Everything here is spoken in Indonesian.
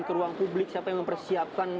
ke ruang publik siapa yang mempersiapkan